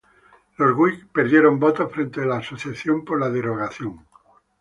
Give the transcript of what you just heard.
Los Whigs perdieron votos frente a la Asociación por la Derogación.